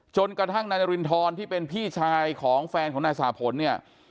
จนกระทั่งนายนารินทรที่เป็นพี่ชายของแฟนของนายสาผลเนี่ย